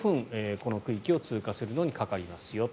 この区域を通過するのにかかりますよと。